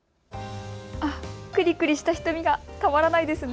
くりくりした瞳がたまらないですね。